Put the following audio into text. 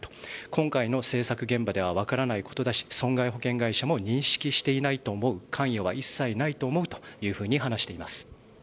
今回の現場ではわからないことだし損害保険会社も認識していないと思う関与は一切ないと思うと話しています。